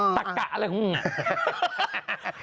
อ๋อตะกะอะไรของคุณอะ